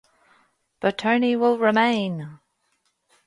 Bertone will remain!